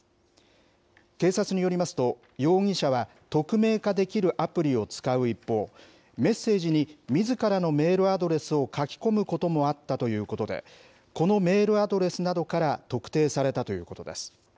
警察によりますと、容疑者は匿名化できるアプリを使う一方、メッセージにみずからのメールアドレスを書き込むこともあったということで、このメールアドレスなどから特定されたということです。